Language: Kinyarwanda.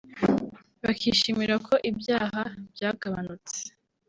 bakishimira ko ibyaha byagabanutse